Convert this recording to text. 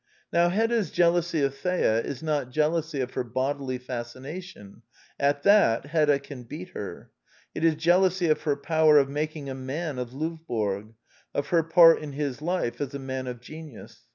Now Hedda's jealousy of Thea is not jealousy of her bodily fascination : at that Hedda can beat her. It is jealousy of her power of making a man of Lovborg, of her part in his life as a man of genius.